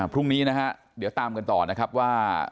พรุ่งนี้นะฮะเดี๋ยวตามกันต่อนะครับว่า